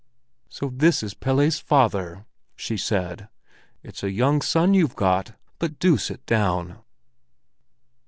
"So this is Pelle's father!" she said. "It's a young son you've got. But do sit down!"